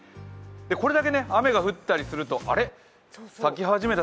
これだけ雨が降ったりするとあれっ、咲き始めた